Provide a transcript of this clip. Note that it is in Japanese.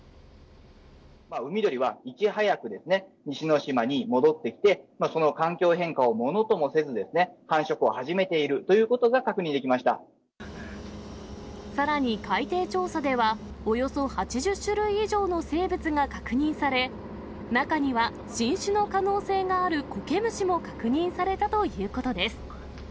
海鳥はいち早く西之島に戻ってきて、その環境変化をものともせずですね、繁殖を始めているということさらに海底調査では、およそ８０種類以上の生物が確認され、中には新種の可能性があるコケムシも確認されたということです。